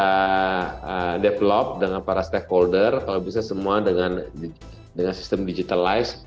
kita develop dengan para stakeholder kalau bisa semua dengan sistem digitalized